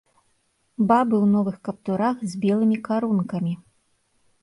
Бабы ў новых каптурах з белымі карункамі.